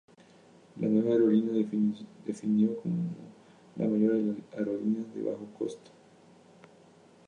La nueva aerolínea se definió como "la mayor aerolínea de bajo costo del mundo".